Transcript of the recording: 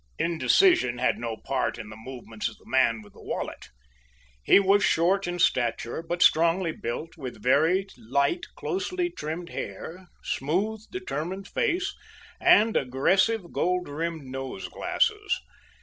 Indecision had no part in the movements of the man with the wallet. He was short in stature, but strongly built, with very light, closely trimmed hair, smooth, determined face, and aggressive, gold rimmed nose glasses.